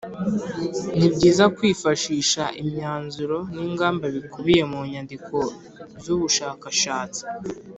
Ni byiza kwifashisha imyanzuro n’ingamba bikubiye mu nyandiko z’ ubushakashatsi